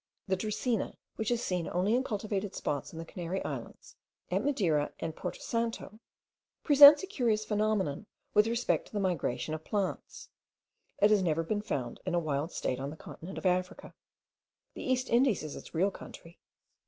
The dracaena, which is seen only in cultivated spots in the Canary Islands, at Madeira, and Porto Santo, presents a curious phenomenon with respect to the migration of plants. It has never been found in a wild state on the continent of Africa. The East Indies is its real country.